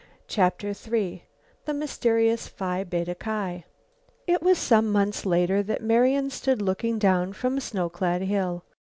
CHAPTER III THE MYSTERIOUS PHI BETA KI It was some months later that Marian stood looking down from a snow clad hill.